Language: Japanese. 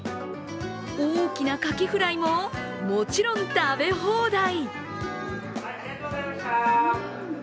大きなカキフライももちろん、食べ放題。